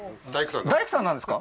大工さんなんですか？